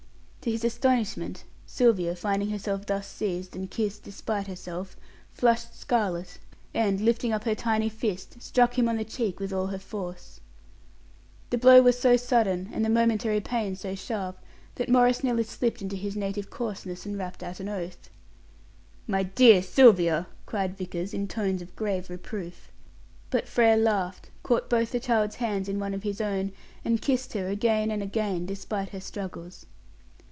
To his astonishment, Sylvia, finding herself thus seized and kissed despite herself, flushed scarlet, and, lifting up her tiny fist, struck him on the cheek with all her force. The blow was so sudden, and the momentary pain so sharp, that Maurice nearly slipped into his native coarseness, and rapped out an oath. "My dear Sylvia!" cried Vickers, in tones of grave reproof. But Frere laughed, caught both the child's hands in one of his own, and kissed her again and again, despite her struggles.